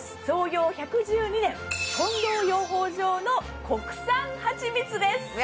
創業１１２年近藤養蜂場の国産はちみつです！